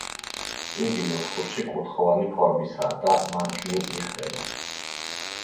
იგი ნუსხურში კუთხოვანი ფორმისაა და მარჯვნივ იხრება.